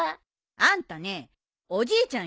あんたねおじいちゃん